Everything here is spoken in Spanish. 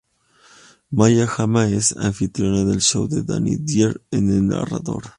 Maya Jama es la anfitriona del show y Danny Dyer es el narrador.